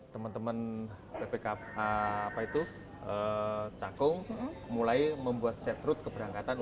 teman teman ppk cakung mulai membuat set route ke berangkatan ini